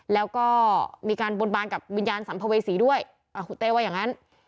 แล้วก็มีการบนบานกับวิญญาณสัมภเวษีด้วยคุณเต้ว่าอย่างนั้น